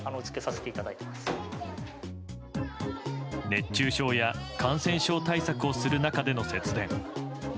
熱中症や感染症対策をする中での節電。